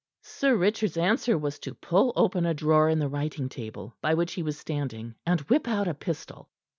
Sir Richard's answer was to pull open a drawer in the writing table, by which he was standing, and whip out a pistol.